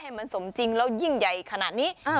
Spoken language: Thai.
ให้มันสมจริงแล้วยิ่งใหญ่ขนาดนี้